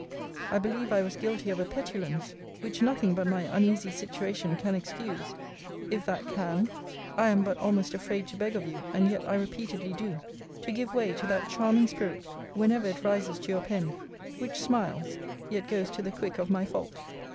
I believe I was guilty of a petulance, which nothing but my uneasy situation can excuse; if that can. I am but almost afraid to beg of you, and yet I repeatedly do, to give way to that charming spirit, whenever it rises to your pen, which smiles, yet goes to the quick of my fault.